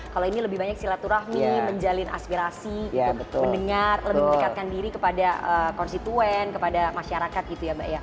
kalau ini lebih banyak silaturahmi menjalin aspirasi mendengar lebih mendekatkan diri kepada konstituen kepada masyarakat gitu ya mbak ya